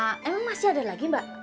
emang masih ada lagi mbak